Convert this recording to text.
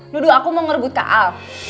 nuduh aku mau ngerebut kak al